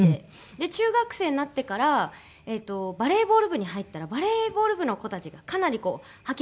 中学生になってからバレーボール部に入ったらバレーボール部の子たちがかなりハキハキしてて。